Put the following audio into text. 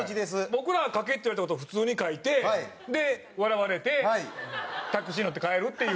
僕らは描けって言われた事を普通に描いてで笑われてタクシーに乗って帰るっていう。